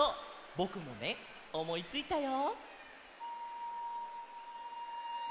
ぼくもねおもいついたよ。